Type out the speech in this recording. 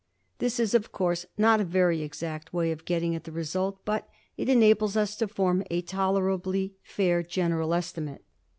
This is of course not a very exact way of getting at the result, but it enables us to form a tolerably fair general •estimate.